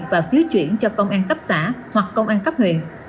và phiếu chuyển cho công an tắp xã hoặc công an tắp huyện